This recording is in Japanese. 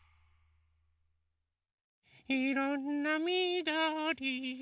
いろんなみどり。